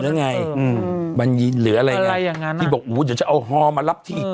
อืมบรรยินหรืออะไรอย่างงั้นอ่าที่บอกโหจะจะเอาฮอร์มารับที่